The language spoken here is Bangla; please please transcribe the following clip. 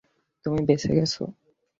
তুমি বেঁচে গেছ।